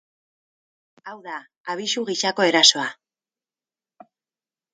Hau da, abisu gisako erasoa.